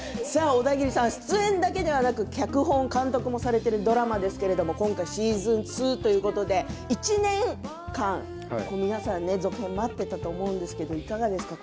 オダギリさん、出演だけではなく脚本、監督もされているドラマですが今回、シーズン２ということで１年間、皆さん続編を待っていたと思うんですがいかがですか？